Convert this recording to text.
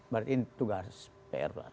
berarti ini tugas pr